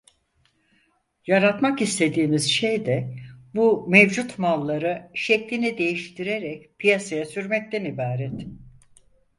Yaratmak istediğimiz şey de bu mevcut malları şeklini değiştirerek piyasaya sürmekten ibaret.